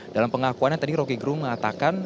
dalam pengakuannya tadi roky gerung mengatakan